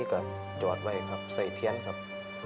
ก็หยอดไว้ครับใส่เทียนครับ